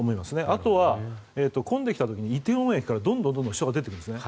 あとは混んできた時に梨泰院駅からどんどん人が出てくるんですね。